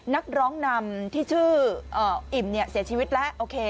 นักร้องนำที่ชื่ออิ่มเสียชีวิตและ